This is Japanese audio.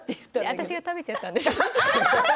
私が食べちゃったんです。